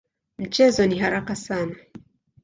Mchezo ni haraka sana.